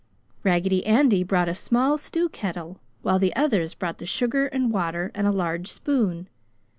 Raggedy Andy brought a small stew kettle, while the others brought the sugar and water and a large spoon.